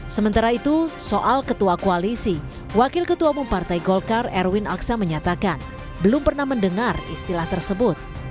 sementara itu soal ketua koalisi wakil ketua umum partai golkar erwin aksa menyatakan belum pernah mendengar istilah tersebut